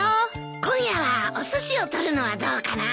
今夜はおすしを取るのはどうかな？